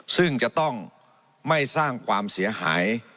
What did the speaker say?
ซึ่งจะต้องไม่สร้างความเสียหาย